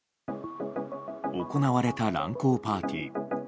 行われた乱交パーティー。